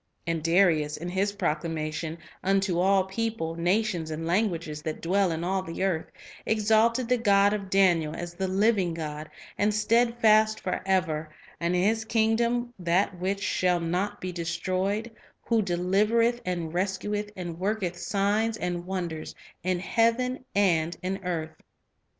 And Darius, in his proclamation " unto all people, na tions, and languages, that dwell in all the earth," exalted the "God of Daniel " as "the living God, and steadfast forever, and His kingdom that which shall not be destroyed;" who "delivereth and rescueth, and worketh signs and wonders in heaven and in earth."